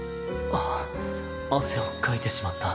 ああ汗をかいてしまった。